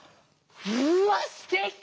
うわすてき！